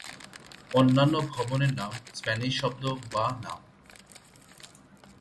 অন্যান্য ভবনের নাম স্প্যানিশ শব্দ বা নাম।